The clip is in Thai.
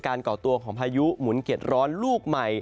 การเกาะตัวของพายุหมุนเกลียดร้อนลูกใหม่